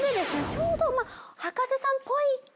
ちょうど。